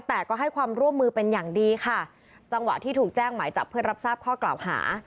แต่ก็ให้ความร่วมมือเป็นอย่างดีค่ะจังหวะที่ถูกแจ้งหมายจับเพื่อรับทราบข้อกล่าวหา